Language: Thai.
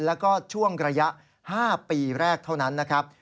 แล้วก็ช่วงระยะ๕ปีแรกเท่านั้นนะครับ